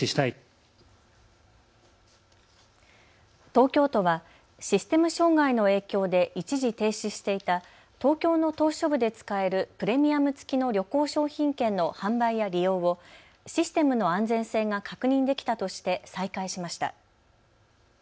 東京都はシステム障害の影響で一時停止していた東京の島しょ部で使えるプレミアム付きの旅行商品券の販売や利用をシステムの安全性が確認できたとして再開しました。